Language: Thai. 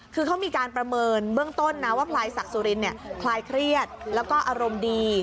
คือเขามีการประเมินเบื้องต้นนะว่าพลายศักดิ์สุรินคลายเครียดแล้วก็อารมณ์ดี